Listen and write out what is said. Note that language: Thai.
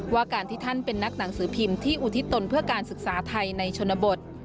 ว่าการที่ท่านเป็นนักหนังสือพิมพ์ที่อุทิศตนเพื่อการศึกษาไทยในชนบท